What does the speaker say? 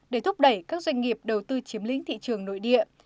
để thúc đẩy các doanh nghiệp đầu tư chiếm lĩnh thị trường nội địa